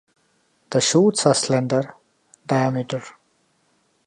The shoots are slender, diameter.